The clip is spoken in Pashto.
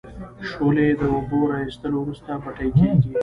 شولې د اوبو را وېستلو وروسته بټۍ کیږي.